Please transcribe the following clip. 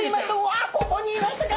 あっここにいましたか！